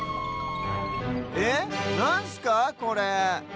えっなんすかこれ？